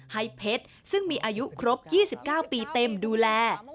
ให้เพชรซึ่งมีอายุครบ๒๙ปีเต็มดูแล